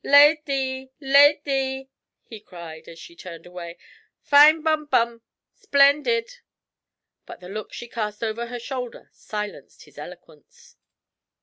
'Lad ee! Lad ee!' he cried, as she turned away. 'Fine bum bum, splendid!' But the look she cast over her shoulder silenced his eloquence.